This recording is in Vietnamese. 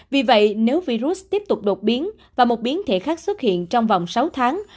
vì vậy nếu virus tiếp tục đột biến và một biến thể khác xuất hiện trong vòng sáu tháng